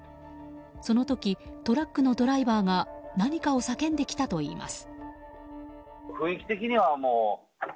その時、トラックのドライバーが何かを叫んできたといいます。